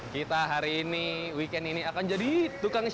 kita hari ini weekend ini akan jadi tukang